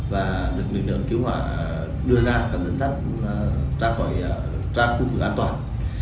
và được lực lượng cứu hỏa đưa ra và dẫn dắt ra khỏi ra khu vực an toàn